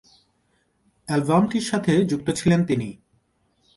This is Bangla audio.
অ্যালবামটির সাথে যুক্ত ছিলেন তিনি।